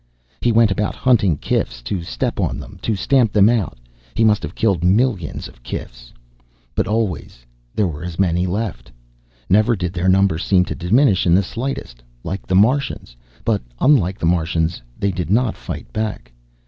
He went about hunting kifs, to step on them. To stamp them out. He must have killed millions of kifs. But always there were as many left. Never did their number seem to diminish in the slightest. Like the Martians but unlike the Martians, they did not fight back.